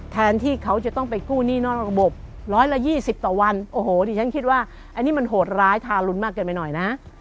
แทนที่เขาจะต้องไปกู้หนี้นอกระบบ๑๒๐ต่อวันโอ้โหดิฉันคิดว่าอันนี้มันโหดร้ายทารุณมากเกินไปหน่อยนะ